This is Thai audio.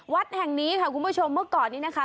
วัดแห่งนี้ค่ะคุณผู้ชมเมื่อก่อนนี้นะคะ